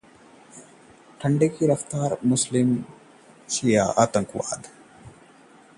ठंड से काफी राहत, दिल्ली में हल्की बूंदाबांदी